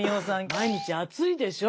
毎日暑いでしょ？